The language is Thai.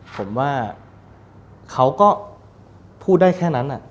ผมว่าเขาก็พูดได้แค่นั้น